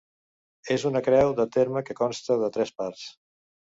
És una creu de terme que consta de tres parts.